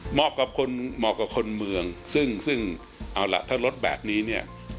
เหมาะกับคนเมืองซึ่งถ้ารถแบบนี้